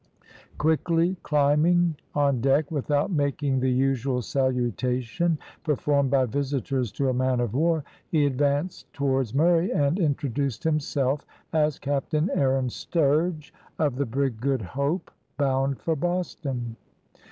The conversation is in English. Quickly climbing on deck, without making the usual salutation performed by visitors to a man of war, he advanced towards Murray, and introduced himself as Captain Aaron Sturge, of the brig Good Hope bound for Boston.